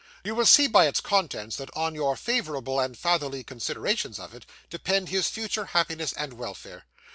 You will see, by its contents, that on your favourable and fatherly consideration of it, depend his future happiness and welfare.